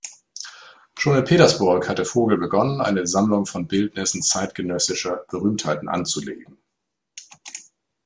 Schon in Petersburg hatte Vogel begonnen, eine Sammlung von Bildnissen zeitgenössischer Berühmtheiten anzulegen.